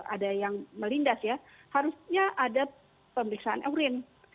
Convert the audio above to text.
ada yang melindas ya harusnya ada pemeriksaan urin